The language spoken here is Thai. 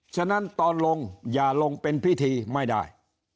ฉะนั้นตอนลงอย่าลงเป็นพิธีไม่ได้